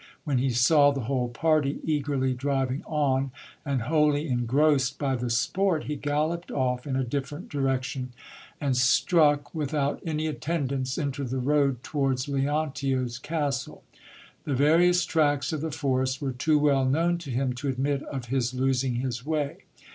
When he saw the whole party eagerly driving on, and wholly engrossed by the sport, he galloped off in a different direction, and struck, without any attendants, into the road towards Leontio's castle. The various tracks of the forest were too well known to him to admit of his losing his way.